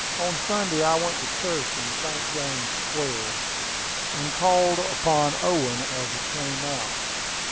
On Sunday I went to church in St. James Square, and called upon Owen as I came out.